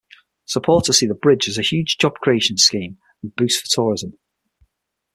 Supporters see the bridge as a huge job-creation scheme and a boost for tourism.